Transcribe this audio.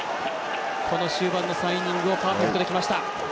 この終盤の３イニングをパーフェクトで、きました。